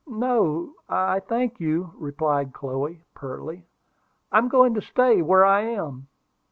"No, I thank you!" replied Chloe, pertly. "I'm going to stay where I am."